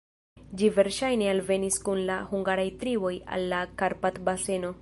Ĝi verŝajne alvenis kun la hungaraj triboj al la Karpat-baseno.